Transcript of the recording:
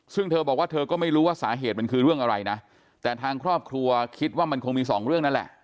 ซึ่งเธอบอกว่าเธอก็ไม่รู้ว่าสาเหตุมันคือเรื่องอะไรนะแต่ทางครอบครัวคิดว่ามันคงมีสองเรื่องนั่นแหละ